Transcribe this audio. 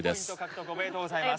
おめでとうございます。